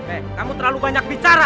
eh kamu terlalu banyak bicara